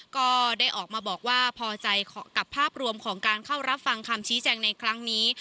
ก็ได้ออกมาบอกว่าพอใจกับภาพรวมของการเข้ารับฟังคำชี้แจงในครั้งนี้